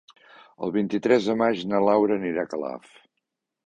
El vint-i-tres de maig na Laura anirà a Calaf.